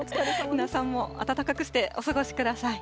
皆さんも暖かくしてお過ごしください。